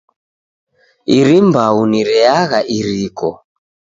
Iri mbau ni reagha iriko.